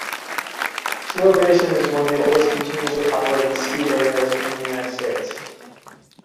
Snowbasin is one of the oldest continuously operating ski areas in the United States.